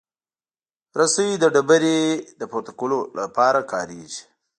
رسۍ د ډبرې د پورته کولو لپاره کارېږي.